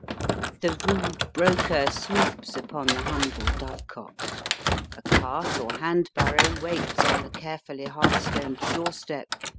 The rude broker swoops upon the humble dovecot ; a cart or hand barrow waits xDn the carefully hearth stoned doorstep M. E.